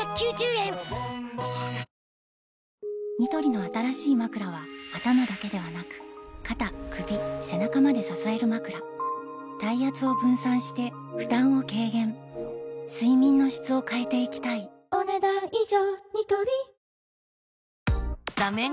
ニトリの新しいまくらは頭だけではなく肩・首・背中まで支えるまくら体圧を分散して負担を軽減睡眠の質を変えていきたいお、ねだん以上。